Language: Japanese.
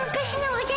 おじゃ！